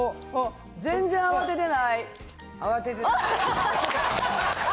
全然慌ててない。